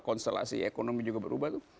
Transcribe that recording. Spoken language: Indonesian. konstelasi ekonomi juga berubah